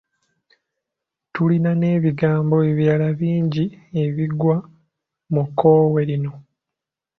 Tulina n'ebigambo ebirala bingi ebigwa mu kkowe lino.